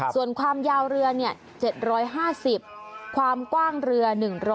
ส่วนความยาวเรือ๗๕๐ความกว้างเรือ๑๐๐